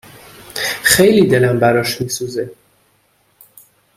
خیلی دلم براش می سوزه